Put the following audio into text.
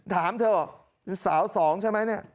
ถามเธอหนือสาว๒ใช่ไหมเนี่ย